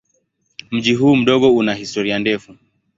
Mji huu mdogo una historia ndefu.